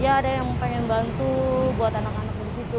ya ada yang pengen bantu buat anak anak di situ